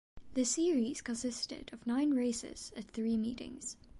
The series consisted of nine races at three meetings.